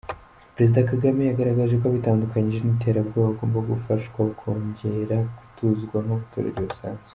Perezida Kagame yagaragaje ko abitandukanyije n’iterabwoba bagomba gufashwa kongera gutuzwa nk’abaturage basanzwe.